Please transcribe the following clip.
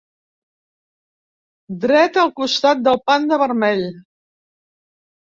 Dreta al costat del Panda vermell.